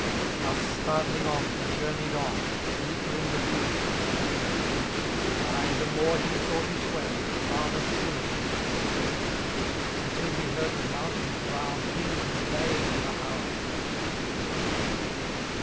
Thus, startlmg oft, he journey 'd on. And deeper in the wood is gone, — For aye the more he sought his way, The forther still he went astray, — Until he heard the mountains round Ring to the baying of a hound.